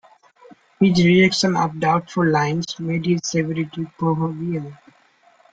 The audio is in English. His rejection of doubtful lines made his severity proverbial.